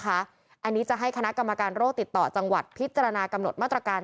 อันนี้จะให้คณะกรรมการโรคติดต่อจังหวัดพิจารณากำหนดมาตรการ